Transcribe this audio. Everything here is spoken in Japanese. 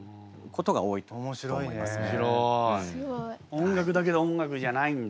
音楽だけど音楽じゃないんだ。